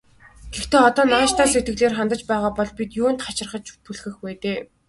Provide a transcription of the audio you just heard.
Гэхдээ одоо нааштай сэтгэлээр хандаж байгаа бол бид юунд нь хачирхаж түлхэх вэ дээ.